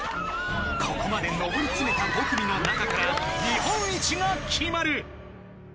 ［ここまで上り詰めた５組の中から日本一が決まる］